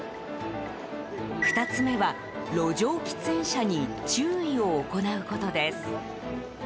２つ目は路上喫煙者に注意を行うことです。